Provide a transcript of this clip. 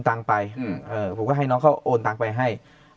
ตังค์ไปผมก็ให้น้องเขาโอนตังไปให้